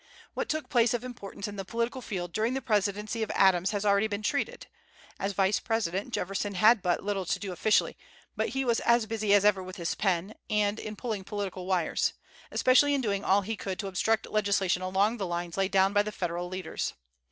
What took place of importance in the political field during the presidency of Adams has already been treated. As Vice President, Jefferson had but little to do officially, but he was as busy as ever with his pen, and in pulling political wires, especially in doing all he could to obstruct legislation along the lines laid down by the Federal leaders.